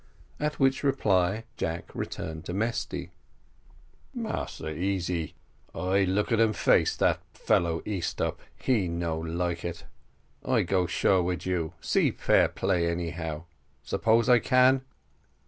At which reply Jack returned to Mesty. "Massa Easy, I look at um face, dat feller, Eastop, he no like it. I go shore wid you, see fair play, anyhow suppose I can?"